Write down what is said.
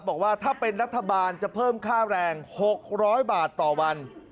บอกว่าถ้าเป็นรัฐบาลจะเพิ่มค่าแรง๖๐๐บาทต่อวัน